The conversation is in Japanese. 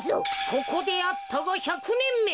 ここであったが１００ねんめ。